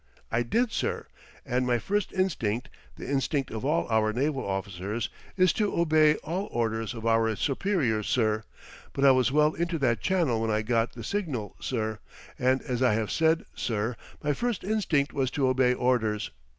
"'I did, sir. And my first instinct the instinct of all our naval officers is to obey all orders of our superiors, sir. But I was well into that channel when I got the signal, sir. And as I have said, sir, my first instinct was to obey orders.